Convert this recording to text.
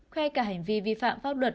khoe cả hành vi vi phạm pháp luật